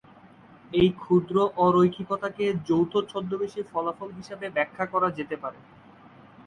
এই ক্ষুদ্র অ-রৈখিকতাকে যৌথ ছদ্মবেশী ফলাফল হিসাবে ব্যাখ্যা করা যেতে পারে।